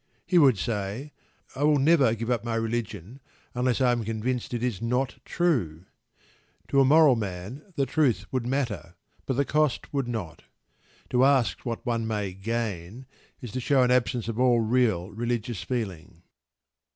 He would say: "I will never give, up my religion unless I am convinced it is not true." To a moral man the truth would matter, but the cost would not. To ask what one may gain is to show an absence of all real religious feeling.